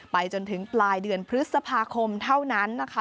จนถึงปลายเดือนพฤษภาคมเท่านั้นนะคะ